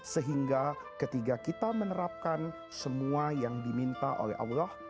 sehingga ketika kita menerapkan semua yang diminta oleh allah